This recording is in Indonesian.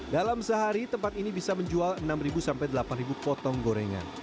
dalam sehari tempat ini bisa menjual enam sampai delapan potong gorengan